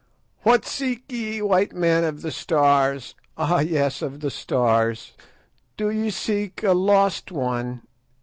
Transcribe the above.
"What seek ye, white men of the Stars—ah, yes, of the Stars? Do ye seek a lost one?